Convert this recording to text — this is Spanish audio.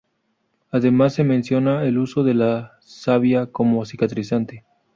Además, se menciona el uso de la savia como cicatrizante.